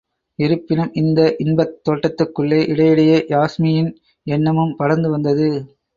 இருப்பினும், இந்த இன்பத் தோட்டத்துக்குள்ளே இடையிடையே யாஸ்மியின் எண்ணமும் படர்ந்து வந்தது.